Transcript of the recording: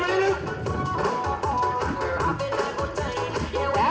ใส่สบายเร็ว